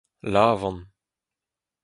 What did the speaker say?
lavand